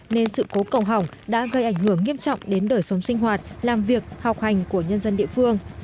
nên sự cố cầu hỏng đã gây ảnh hưởng nghiêm trọng đến đời sống sinh hoạt làm việc học hành của nhân dân địa phương